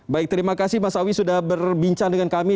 baik terima kasih mas awi sudah berbincang dengan kami